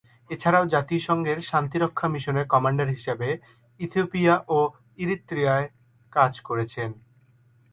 এছাড়াও জাতিসংঘ শান্তিরক্ষা বাহিনীর কমান্ডার তিনি হিসেবে ইথিওপিয়া ও ইরিত্রিয়ায় কাজ করেছেন।